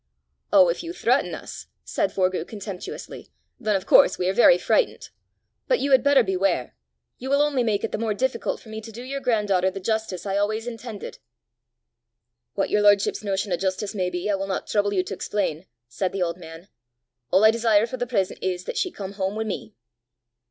"Oh, if you threaten us," said Forgue contemptuously, "then of course we are very frightened! But you had better beware! You will only make it the more difficult for me to do your granddaughter the justice I always intended." "What your lordship's notion o' justice may be, I wull not trouble you to explain," said the old man. "All I desire for the present is, that she come home with me."